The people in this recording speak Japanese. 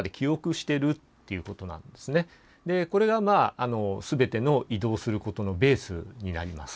これが全ての移動することのベースになります。